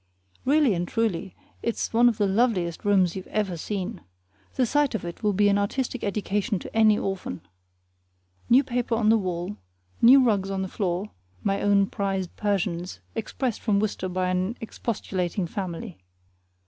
Really and truly, it's one of the loveliest rooms you've ever seen. The sight of it will be an artistic education to any orphan. New paper on the wall, new rugs on the floor (my own prized Persians expressed from Worcester by an expostulating family).